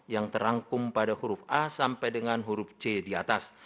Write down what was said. yang terangkum pada huruf a sampai dengan huruf c di atas